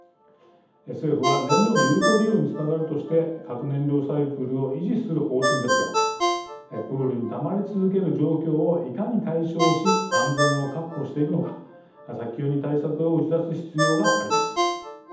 政府は燃料の有効利用につながるとして核燃料サイクルを維持する方針ですがプールにたまり続ける状況をいかに解消し安全を確保していくのか早急に対策を打ち出す必要があります。